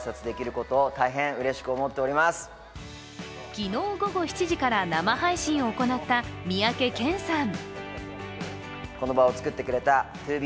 昨日午後７時から生配信を行った三宅健さん。